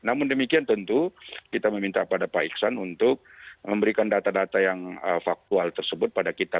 namun demikian tentu kita meminta pada pak iksan untuk memberikan data data yang faktual tersebut pada kita